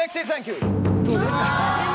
どうですか？